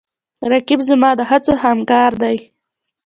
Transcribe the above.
رقیب زما د هڅو همکار دی